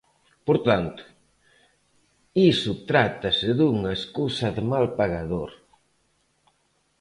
Por tanto, iso trátase dunha escusa de mal pagador.